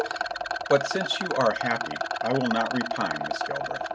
"But since you are happy, I will not repine, Miss Galbraith.